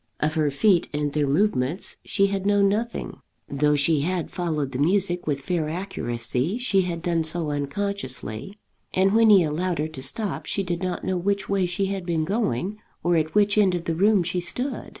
Of her feet and their movements she had known nothing; though she had followed the music with fair accuracy, she had done so unconsciously, and when he allowed her to stop she did not know which way she had been going, or at which end of the room she stood.